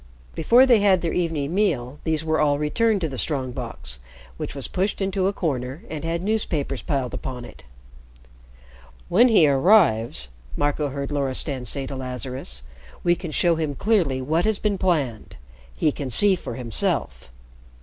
Before they had their evening meal, these were all returned to the strong box, which was pushed into a corner and had newspapers piled upon it. "When he arrives," Marco heard Loristan say to Lazarus, "we can show him clearly what has been planned. He can see for himself."